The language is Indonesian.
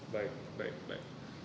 baik baik baik